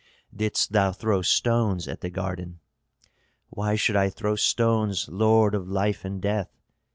"Didst thou throw stones at the garden?" "Why should I throw stones, lord of life and death?